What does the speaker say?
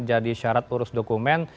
jadi syarat urus dokumen